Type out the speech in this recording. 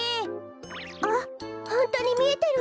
あホントにみえてるんだ。